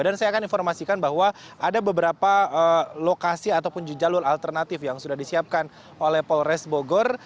dan saya akan informasikan bahwa ada beberapa lokasi ataupun jalur alternatif yang sudah disiapkan oleh polres bogor